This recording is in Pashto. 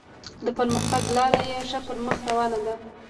د پرمختګ لاره یې ښه پر مخ روانه ده.